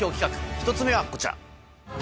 １つ目はこちら。